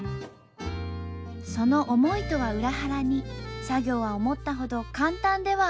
その思いとは裏腹に作業は思ったほど簡単ではありませんでした。